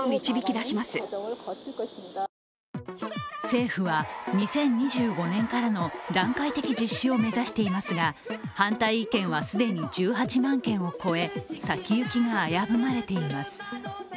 政府は、２０２５年からの段階的実施を目指していますが反対意見は既に１８万件を超え先行きが危ぶまれています。